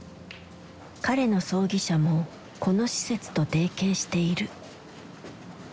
彼の葬儀社もこの施設と提携している。